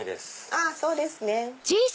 あそうですね。